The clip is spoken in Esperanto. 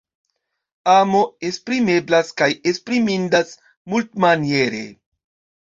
Amo esprimeblas kaj esprimindas multmaniere.